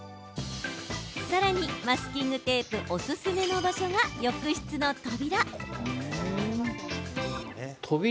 さらに、マスキングテープおすすめの場所が浴室の扉。